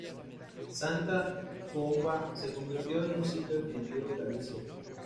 Santa Comba se convirtió en un sitio distintivo en Galicia.